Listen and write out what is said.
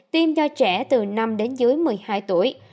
tiêm cho trẻ từ năm đến dưới một mươi hai tuổi